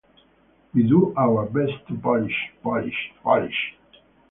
We do our best to polish — polish — polish!